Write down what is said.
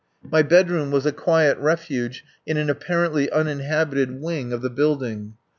My bedroom was a quiet refuge in an apparently uninhabited wing of the building.